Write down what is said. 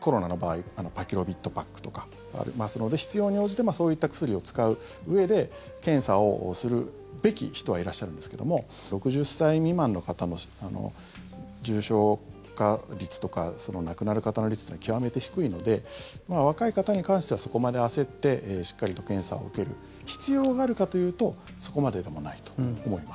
コロナの場合パキロビッドパックとかありますので必要に応じてそういった薬を使ううえで検査をするべき人はいらっしゃるんですけども６０歳未満の方の重症化率とか亡くなる方の率というのは極めて低いので若い方に関してはそこまで焦ってしっかりと検査を受ける必要があるかというとそこまででもないと思います。